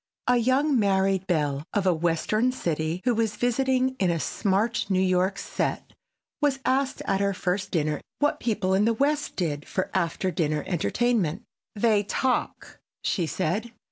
A young married belle of a western city who was visiting in a smart New York set was asked at her first dinner what people in the West did for after dinner entertainment. "They talk," she said.